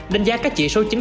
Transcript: đánh giá các chỉ số chính